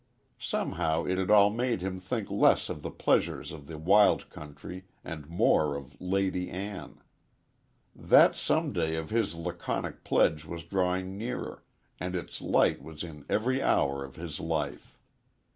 Somehow it had all made him think less of the pleasures of the wild country and more of Lady Ann. That "someday" of his laconic pledge was drawing nearer and its light was in every hour of his life.